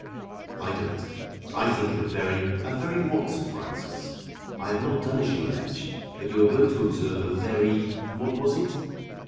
I don't. I think it a very " "A very what, Sir Francis? I have not done as you allege. But you were going to observe a very ; what was it?"